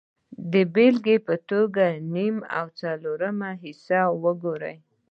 د بېلګې په توګه نیم او څلورمه حصه وګورئ